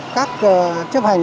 chấp hành các hộ gia đình